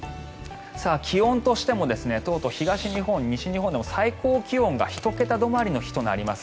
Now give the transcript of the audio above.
気温としてもとうとう東日本、西日本でも最高気温が１桁止まりの日となります。